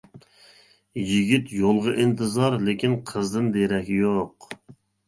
يىگىت يولغا ئىنتىزار، لېكىن قىزدىن دېرەك يوق.